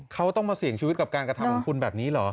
เขาต้องมาเสี่ยงชีวิตกับการกระทำของคุณแบบนี้เหรอ